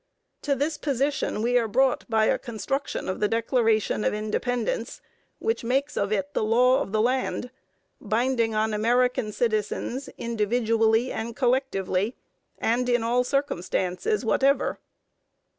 To this position we are brought by a construction of the Declaration of Independence which makes of it the law of the land, binding on American citizens individually and collectively, and in all circumstances whatever.